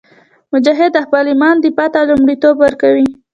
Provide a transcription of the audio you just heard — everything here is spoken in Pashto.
مجاهد د خپل ایمان دفاع ته لومړیتوب ورکوي.